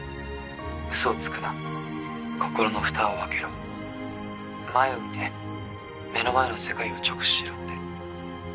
ウソをつくな心のふたを開けろ前を見て目の前の世界を直視しろって。